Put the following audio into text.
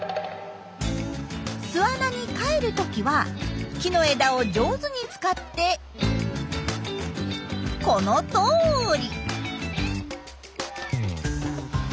巣穴に帰る時は木の枝を上手に使ってこのとおり。